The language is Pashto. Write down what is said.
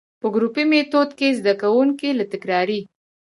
په ګروپي ميتود کي زده کوونکي له تکراري،